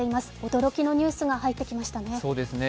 驚きのニュースが入ってきましたね。